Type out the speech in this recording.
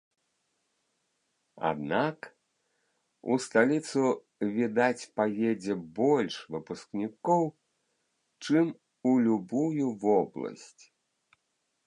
Аднак ў сталіцу, відаць, паедзе больш выпускнікоў, чым у любую вобласць.